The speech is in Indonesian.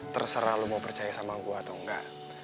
terserah lo mau percaya sama gue atau enggak